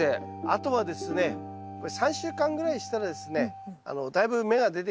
あとはですねこれ３週間ぐらいしたらですねだいぶ芽が出てきますので。